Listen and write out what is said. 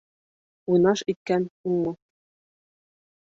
Уйнаш иткән уңмаҫ.